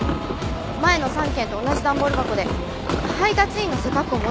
前の３件と同じ段ボール箱で配達員の背格好も同じです。